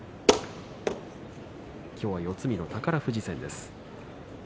今日は四つ身の宝富士戦です。